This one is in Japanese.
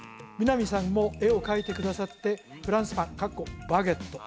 美波さんも絵を描いてくださって「フランスパン」バゲット